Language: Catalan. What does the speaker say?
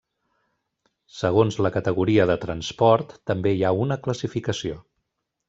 Segons la categoria de transport també hi ha una classificació.